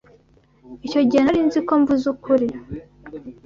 Icyo gihe nari nzi ko mvuze ukuri.